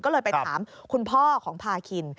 ก็เลยไปถามคุณพ่อของพาคิน